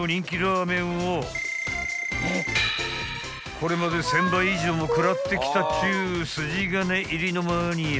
［これまで１，０００杯以上も食らってきたっちゅう筋金入りのマニア］